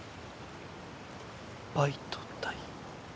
バイト代。